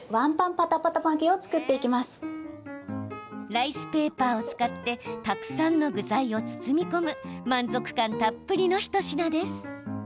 ライスペーパーを使ってたくさんの具材を包み込む満足感たっぷりの一品です。